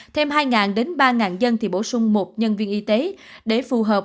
thêm hai đến ba dân thì bổ sung một nhân viên y tế để phù hợp